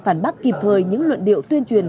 phản bác kịp thời những luận điệu tuyên truyền